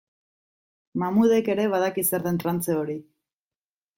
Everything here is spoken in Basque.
Mahmudek ere badaki zer den trantze hori.